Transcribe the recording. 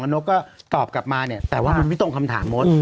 แล้วนกก็ตอบกลับมาแต่ว่ามันไม่ตรงคำถามทั้งหมด